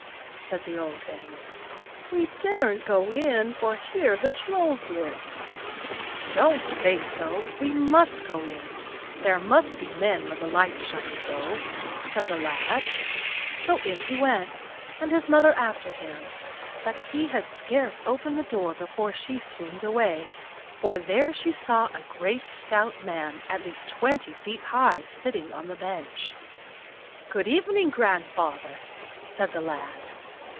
said the old dame. "We daren't go in, for here the Trolls live." "Don't say so; we must go in. There must be men where the lights shine so," said the lad. So in he went, and his mother after him, but he had scarce opened the door before she swooned away, for there she saw a great stout man, at least twenty feet high, sitting on the bench. "Good evening, grandfather!" said the lad.